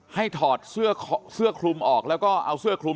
ถอดเสื้อคลุมออกแล้วก็เอาเสื้อคลุม